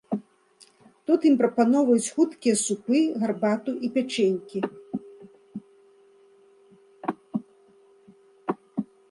Тут ім прапаноўваюць хуткія супы, гарбату і пячэнькі.